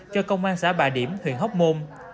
cho công an xã bà điểm huyện hóc môn